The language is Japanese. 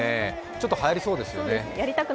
ちょっとはやりそうですね。